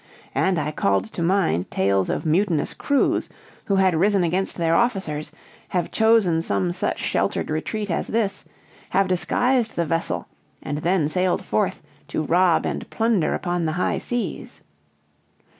and I called to mind tales of mutinous crews who had risen against their officers, have chosen some such sheltered retreat as this; have disguised the vessel, and then sailed forth to rob and plunder upon the high seas.